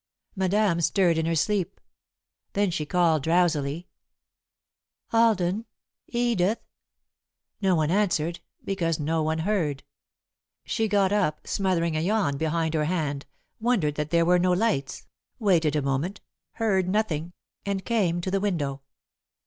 Madame stirred in her sleep. Then she called, drowsily: "Alden! Edith!" No one answered, because no one heard. She got up, smothering a yawn behind her hand, wondered that there were no lights, waited a moment, heard nothing, and came to the window.